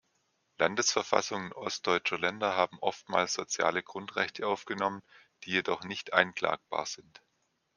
Landesverfassungen ostdeutscher Länder haben oftmals soziale Grundrechte aufgenommen, die jedoch nicht einklagbar sind.